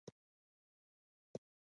دوی آزادو سیمو ته وتښتېدل.